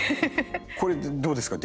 これ、どうですか？